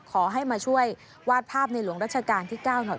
ขอให้มาช่วยวาดภาพในหลวงรัชกาลที่๙หน่อย